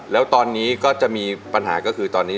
แล้วตอนนี้ก็จะมีปัญหาก็คือตอนนี้